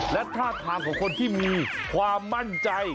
และท่าทางของคนที่มีความมั่นใจ